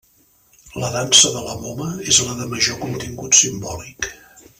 La Dansa de la Moma és la de major contingut simbòlic.